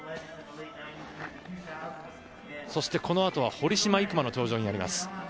そして、このあとは堀島行真の登場になります。